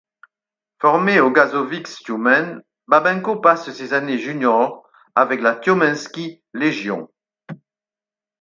Formé au Gazovik Tioumen, Babenko passe ses années juniors avec la Tiomenski Legion.